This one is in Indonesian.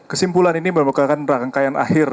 kesimpulan ini merupakan rangkaian akhir